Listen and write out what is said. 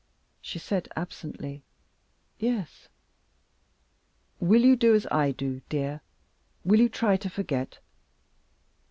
She said absently: "Yes!" "Will you do as I do, dear? Will you try to forget?"